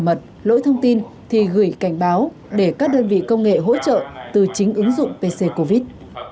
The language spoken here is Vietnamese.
mật lỗi thông tin thì gửi cảnh báo để các đơn vị công nghệ hỗ trợ từ chính ứng dụng pc covid